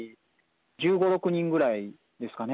１５、６人ぐらいですかね。